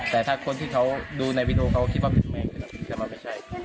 แต่ถ้าคนที่เขาดูในวิโนเขาคิดว่าเป็นแมนจะว่าไม่ใช่